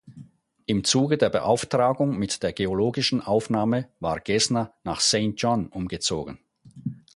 Im Zuge der Beauftragung mit der geologischen Aufnahme war Gesner nach Saint John umgezogen.